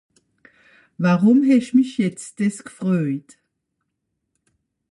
Worùm hesch mich jetz dìss gfröjt ?